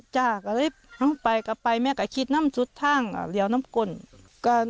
ใช่ค่ะเร่งไปก็ไปแม่ก็คิดน้ำสุดทางเรียวน้ำกลม